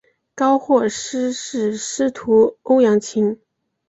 高获师事司徒欧阳歙。